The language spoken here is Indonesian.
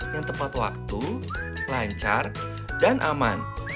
yang tepat waktu lancar dan aman